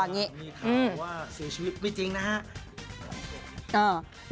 มีข่าวว่าเสียชีวิตไม่จริงนะฮะ